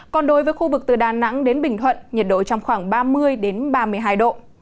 còn đối với khu vực từ đà nẵng đến bình thuận nhiệt độ trong khoảng ba mươi ba mươi hai độ